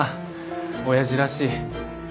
おやじらしい。